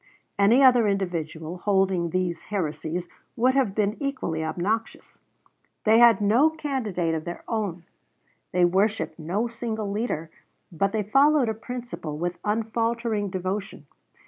Any other individual holding these heresies would have been equally obnoxious. They had no candidate of their own; they worshiped no single leader; but they followed a principle with unfaltering devotion.